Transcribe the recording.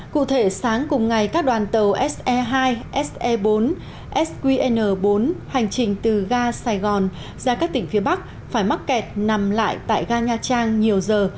cụ thể sáng cùng ngày các đoàn tàu se hai se bốn sqn bốn hành trình từ ga sài gòn ra các tỉnh phía bắc phải mắc kẹt nằm lại tại ga nha trang nhiều giờ